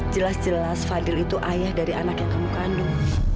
jelas jelas fadil itu ayah dari anak yang kamu kandung